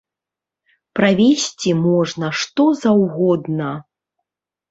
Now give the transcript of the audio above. Правезці можна што заўгодна.